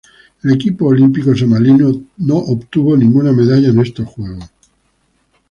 El equipo olímpico somalí no obtuvo ninguna medalla en estos Juegos.